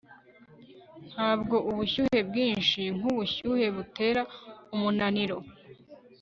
ntabwo ubushyuhe bwinshi nkubushuhe butera umunaniro